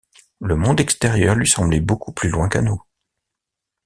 Le monde extérieur lui semblait beaucoup plus loin qu’à nous.